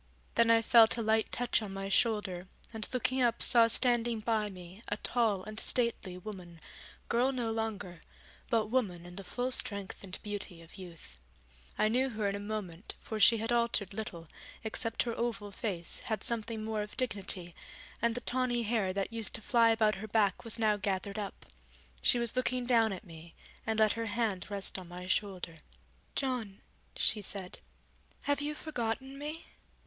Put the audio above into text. Then I felt a light touch on my shoulder, and looking up saw standing by me a tall and stately woman, girl no longer, but woman in the full strength and beauty of youth. I knew her in a moment, for she had altered little, except her oval face had something more of dignity, and the tawny hair that used to fly about her back was now gathered up. She was looking down at me, and let her hand rest on my shoulder. 'John,' she said, 'have you forgotten me?